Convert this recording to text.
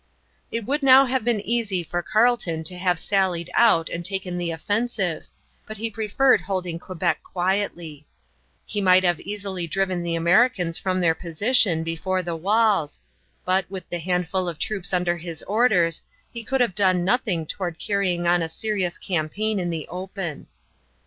It would now have been easy for Carleton to have sallied out and taken the offensive, but he preferred holding Quebec quietly. He might have easily driven the Americans from their position before the walls; but, with the handful of troops under his orders, he could have done nothing toward carrying on a serious campaign in the open.